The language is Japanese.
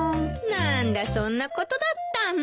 何だそんなことだったの。